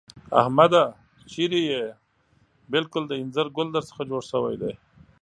احمده! چېرې يې؟ بالکل د اينځر ګل در څخه جوړ شوی دی.